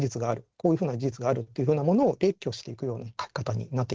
こういうふうな事実があるっていうふうなものを列挙していくような書き方になってきます。